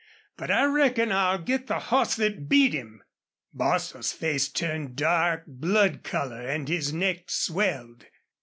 But I reckon I'll git the hoss thet beat him!" Bostil's face turned dark blood color and his neck swelled.